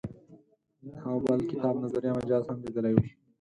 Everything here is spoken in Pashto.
د هغه بل کتاب نظریه مجاز هم لیدلی و.